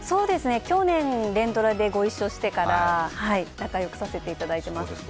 去年連ドラでご一緒してから仲良くさせていただいています。